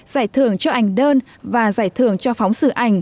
giải thưởng cho ảnh đơn và giải thưởng cho phóng sự ảnh